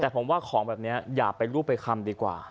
แต่ผมว่าของแบบนี้อย่าไปรูปไปคำดีกว่า